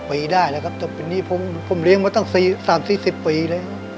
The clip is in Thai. ๒๖ปีได้แล้วครับจะเป็นหนี้ผมเลี้ยงมาตั้งสี่สามสี่สิบปีเลย